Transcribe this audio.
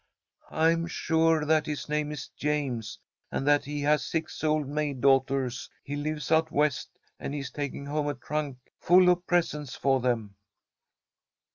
I'm sure that his name is James, and that he has six old maid daughters. He lives out West, and he's taking home a trunk full of presents for them."